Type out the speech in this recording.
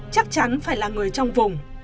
chắc chắn phải là người trong vùng